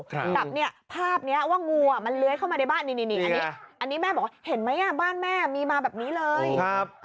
แต่ภาพนี้ว่างูเล้ยเข้ามาในบ้านนี่นี่แม่บอกว่าเห็นไหมบ้านแม่มีมาแบบนี้เลย